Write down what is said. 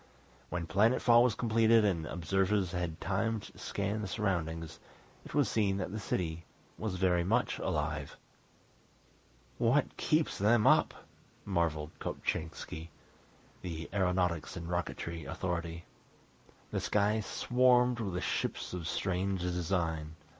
When planet fall was completed and observers had time to scan the surroundings it was seen that the city was very much alive. "What keeps them up!" marvelled Kopchainski, the aeronautics and rocketry authority. The sky swarmed with ships of strange design.